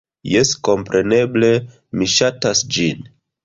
Jes, kompreneble, mi ŝatas ĝin!